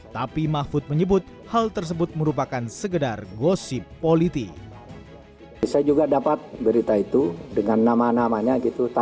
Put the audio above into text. tapi mahfud menyebut hal tersebut merupakan segedar gosip politik